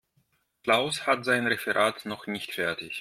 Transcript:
Klaus hat sein Referat noch nicht fertig.